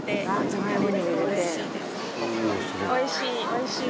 おいしい。